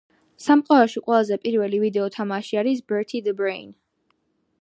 სამყაროში ყველაზე პირველი ვიდეო თამაში არის "Bertie the Brain"